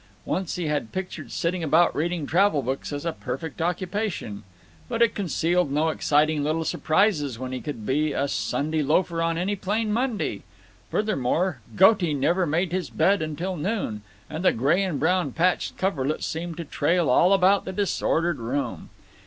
Once he had pictured sitting about reading travel books as a perfect occupation. But it concealed no exciting little surprises when he could be a Sunday loafer on any plain Monday. Furthermore, Goaty never made his bed till noon, and the gray and brown patched coverlet seemed to trail all about the disordered room.